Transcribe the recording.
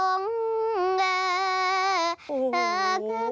ก็บอกว่ายอดวิวเป็นล้าน